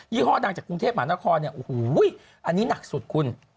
ยี่ห้อดังจากกรุงเทพฯหานครอันนี้หนักสุดคุณ